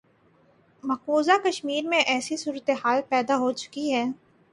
مقبوضہ کشمیر میں ایسی صورتحال پیدا ہو چکی ہے۔